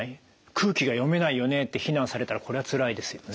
「空気が読めないよね」って非難されたらこれはつらいですよね。